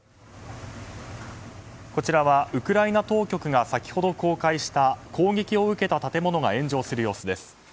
こちらはウクライナ当局が先ほど公開した攻撃を受けた建物が炎上する様子です。